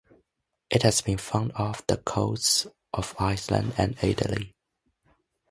It has been found off the coasts of Iceland and Italy.